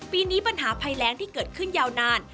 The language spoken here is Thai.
ปีนี้ปัญหาภัยแรงที่เกิดขึ้นยาวนาน